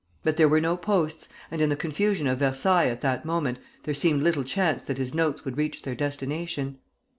But there were no posts, and in the confusion of Versailles at that moment there seemed little chance that his notes would reach their destination.